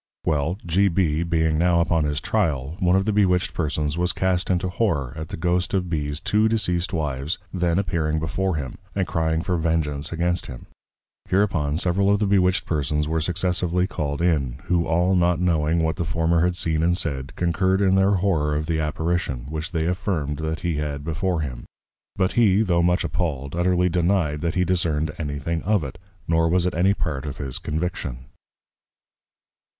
Well, G. B. being now upon his Tryal, one of the Bewitched Persons was cast into Horror at the Ghost of B's two Deceased Wives then appearing before him, and crying for Vengeance against him. Hereupon several of the Bewitched Persons were successively called in, who all not knowing what the former had seen and said, concurred in their Horror of the Apparition, which they affirmed that he had before him. But he, tho much appalled, utterly deny'd that he discerned any thing of it; nor was it any part of his Conviction.